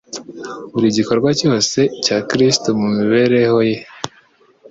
Buri gikorwa cyose cya Kristo mu mibereho ye